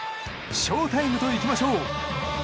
ショウタイムといきましょう！